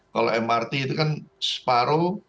kalau mrt itu kan separuh